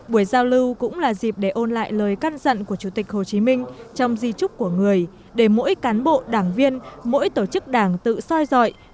buổi giao lưu cũng là dịp để ôn lại lời căn dặn của chủ tịch hồ chí minh trong di trúc của người để mỗi cán bộ đảng viên mỗi tổ chức đảng tự soi dọi